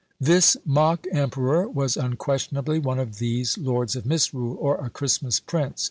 " This mock "emperor" was unquestionably one of these "Lords of Misrule," or "a Christmas Prince."